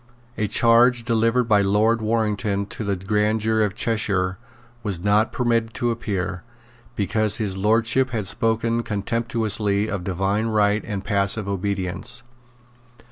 A charge delivered by Lord Warrington to the grand jury of Cheshire was not permitted to appear, because His Lordship had spoken contemptuously of divine right and passive obedience.